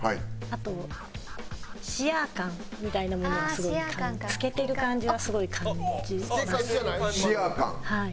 あとシアー感みたいなものがすごい透けてる感じはすごい感じますね。